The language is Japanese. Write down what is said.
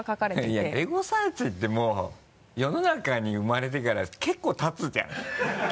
いやエゴサーチってもう世の中に生まれてから結構たつじゃん？